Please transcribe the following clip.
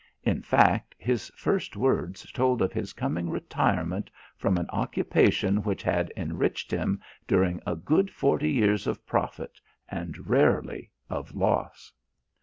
In fact, his first words told of his coming retirement from an occupation which had enriched him during a good forty years of profit and rarely of loss.